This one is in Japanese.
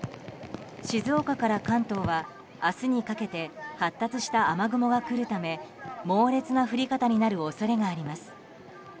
静岡から関東は明日にかけて発達した雨雲が来るため猛烈な降り方になる恐れがあります。